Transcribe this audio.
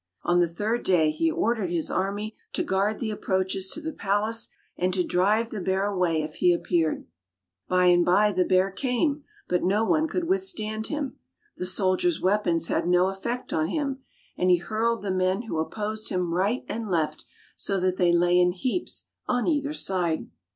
On the third day he ordered his army to guard the approaches to the palace, and to drive the bear away if he appeared. By and by the bear came, but no one could withstand him. The soldiers' weapons had no effect on him, and he hurled the men who 127 Fairy Tale Bears opposed him right and left so that they lay in heaps on either side.